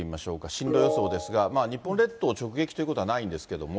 進路予想ですが、日本列島を直撃ということはないんですけれども。